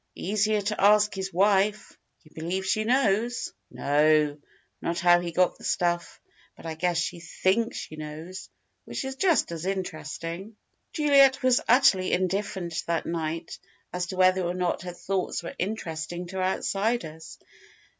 "Easier to ask his wife." "You believe she knows?" "No, not how he got the stuff. But I guess she thinks she knows, which is just as interesting." Juliet was utterly indifferent that night as to whether or not her thoughts were interesting to outsiders.